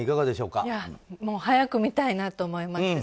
早く見たいなと思います。